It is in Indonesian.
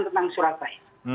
tentang surat bahaya